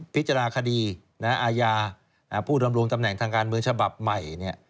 พิจารณาคดีอาญาผู้ดำรงตำแหน่งทางการเมืองฉบับใหม่